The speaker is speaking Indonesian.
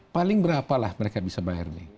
paling berapa lah mereka bisa bayar nih